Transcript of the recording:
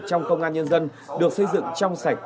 trong công an nhân dân được xây dựng trong sạch